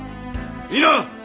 いいな！